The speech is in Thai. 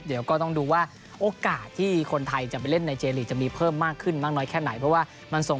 เดี๋ยวก็ต้องดูว่าโอกาสที่คนไทยจะไปเล่นในเจเรลีกจะมีเพิ่มมากขึ้นมากน้อยแค่ไหน